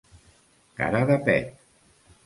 Cara de pet.